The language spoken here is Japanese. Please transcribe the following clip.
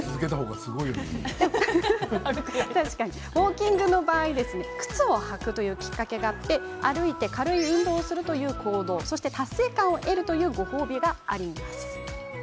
ウォーキングの場合靴を履くというきっかけがあり歩いて軽い運動をするという行動がありそして達成感を得るというご褒美があります。